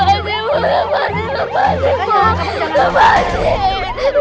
sumpuh bebek sumpuh bebek sumpuh bebek